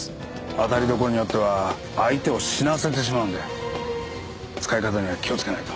当たり所によっては相手を死なせてしまうんで使い方には気をつけないと。